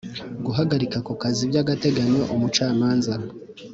Guhagarika ku kazi by’agateganyo umucamanza